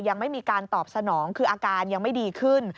ยังไม่มีการตอบสนองคืออาการยังไม่ดีขึ้น